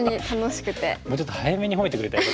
もうちょっと早めに褒めてくれたらよかったのに。